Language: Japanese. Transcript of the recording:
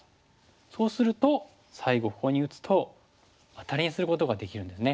そうすると最後ここに打つとアタリにすることができるんですね。